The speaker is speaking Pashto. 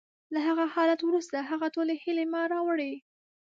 له هغه حالت وروسته، هغه ټولې هیلې ما راوړې